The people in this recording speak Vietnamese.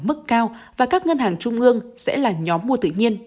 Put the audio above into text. mức cao và các ngân hàng trung ương sẽ là nhóm mua tự nhiên